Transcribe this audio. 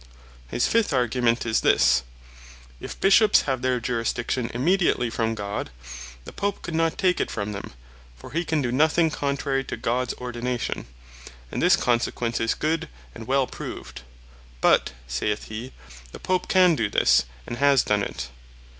His fift argument is this, "If Bishops have their Jurisdiction immediately from God, the Pope could not take it from them, for he can doe nothing contrary to Gods ordination;" And this consequence is good, and well proved. "But, (saith he) the Pope can do this, and has done it."